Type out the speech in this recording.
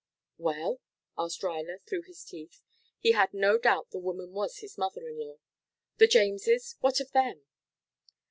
"Well?" asked Ruyler through his teeth. He had no doubt the woman was his mother in law. "The Jameses? What of them?"